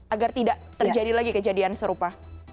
agar tidak terjadi lagi kejadian serupa